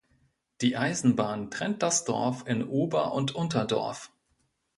Die Eisenbahn trennt das Dorf in Ober- und Unterdorf.